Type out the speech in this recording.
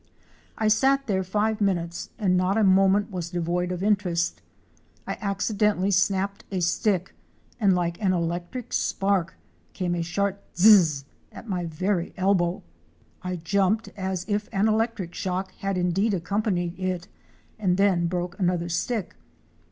Isat there five minutes and not a moment was devoid of interest. I accidentally snapped a stick, and like an electric spark came a sharp gizz! at my very elbow. I jumped as if an electric shock had indeed accompanied it, and then broke another stick.